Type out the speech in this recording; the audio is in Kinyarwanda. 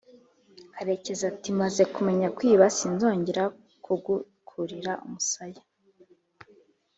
,karekezi ati: "Maze kumenya kwiba sinzongera kugukurira umusaya